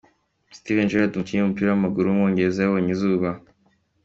Steven Gerrard, umukinnyi w’umupira w’amaguru w’umwongereza yabonye izuba.